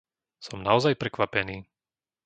Som naozaj prekvapený.